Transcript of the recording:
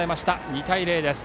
２対０です。